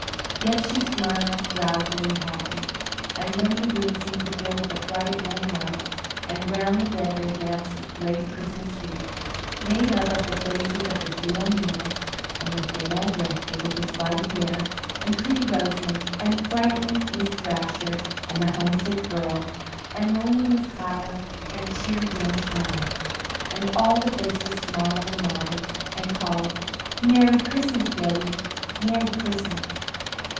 Yet she smiled, drowsily happy, and then the room seemed to fill with a bright, warm light, and round the bed there danced a great Christmas wreath, made up of the faces of the three O'Neills, and the thin old rector, with his white hair, and pretty Rosamond, and frightened Miss Thrasher and the homesick girls, and lonely Miss Hyle, and tear dimmed Hilma. And all the faces smiled and nodded, and called, "Merry Christmas, Betty, Merry Christmas!"